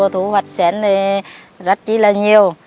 thì rất là nhiều